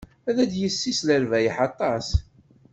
Ad d-yessis lerbayeḥ aṭas.